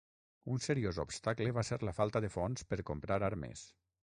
Un seriós obstacle va ser la falta de fons per comprar armes.